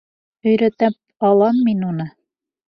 Өйрәтеп алам мин уны.